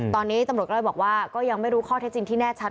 ตอนนี้ตำรวจก็เลยบอกว่าก็ยังไม่รู้ข้อเท็จจริงที่แน่ชัด